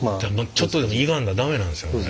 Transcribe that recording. ちょっとでもいがんだら駄目なんですよね。